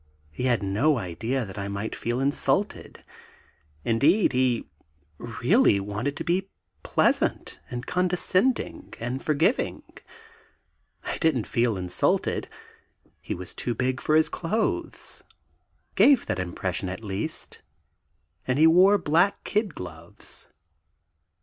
He had no idea that I might feel insulted; indeed, he really wanted to be pleasant, and condescending, and forgiving. I didn't feel insulted. He was too big for his clothes, gave that impression at least, and he wore black kid gloves.